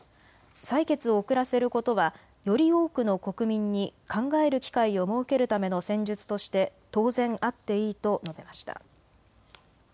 採決を遅らせることはより多くの国民に考える機会を設けるための戦術として当然あっていいと述べました。